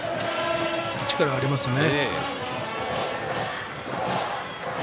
力ありますね。